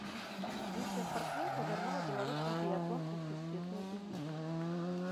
Мінская спартсменка вярнула беларускі біятлон у сусветную эліту.